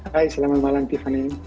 hai selamat malam tiffany